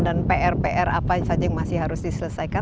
dan pr pr apa saja yang masih harus diselesaikan